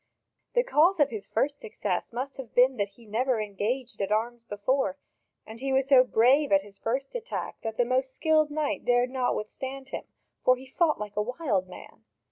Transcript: The cause of his first success must have been that he never engaged at arms before, and he was so brave at his first attack that the most skilled knight dared not withstand him, for he fought like a wild man.